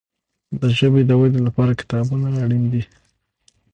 د ژبي د ودي لپاره کتابونه اړین دي.